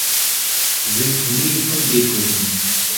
Sinfonie von Beethoven.